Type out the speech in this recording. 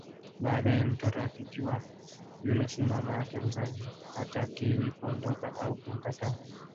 Baadae mtoto akijua yule si mama yake mzazi hatakiwi kuondoka au kumkataa